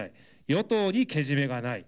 与党にけじめがない。